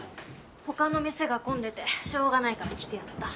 ほかの店が混んでてしょうがないから来てやった。